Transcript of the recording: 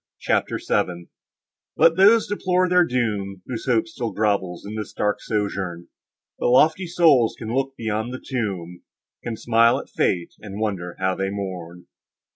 CHAPTER VII Let those deplore their doom, Whose hope still grovels in this dark sojourn. But lofty souls can look beyond the tomb, Can smile at fate, and wonder how they mourn.